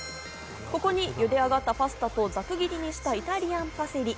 ここに茹で上がったパスタと、ざく切りにしたイタリアンパセリ。